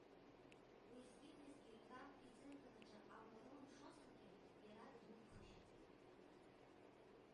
Уиезгьы-уиезгьы раб иӡыргараҿы аума рылымшозаргьы, иара дыдмырԥхашьаӡеит.